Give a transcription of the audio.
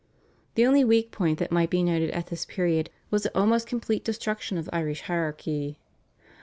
The only weak point that might be noted at this period was the almost complete destruction of the Irish hierarchy.